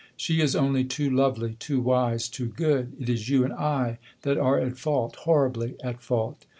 She is only too lovely, too wise, too good! It is you and I that are at fault horribly at fault!